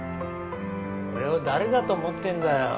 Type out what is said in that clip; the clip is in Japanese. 俺を誰だと思ってんだよ。